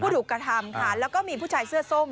ถูกกระทำค่ะแล้วก็มีผู้ชายเสื้อส้ม